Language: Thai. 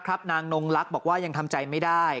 นางนงลักษณ์บอกว่ายังทำใจไม่ได้